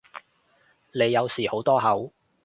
你有時好多口